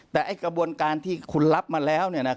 แต่กระบวนการที่คุณรับมาแล้ว